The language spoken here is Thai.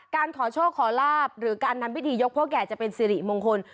การขอโชคขอลาบหรือการนำพิธียกพ่อแก่จะเป็นสิริมงคล